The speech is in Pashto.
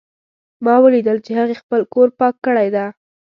ما ولیدل چې هغې خپل کور پاک کړی ده